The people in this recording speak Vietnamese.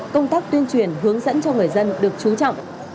công tác tuyên truyền hướng dẫn cho người dân được trú trọng